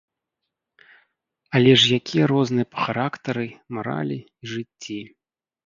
Але ж якія розныя па характары, маралі і жыцці.